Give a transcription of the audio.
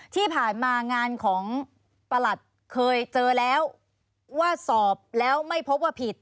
ที่ผ่านมางานของประหลัดเคยเจอแล้วว่าสอบแล้วไม่พบว่าผิด